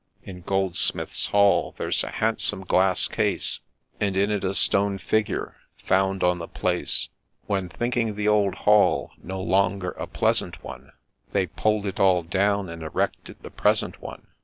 In Goldsmiths' Hall there 's a handsome glass case, And in it a stone figure, found on the place, When, thinking the old Hall no longer a pleasant one, They pull'd it all down, and erected the present one.